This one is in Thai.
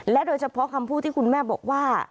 โดยเฉพาะคำพูดที่คุณแม่บอกว่า